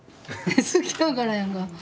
好きやからやんか。